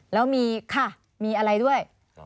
แล้วมีค่ะมีอะไรด้วย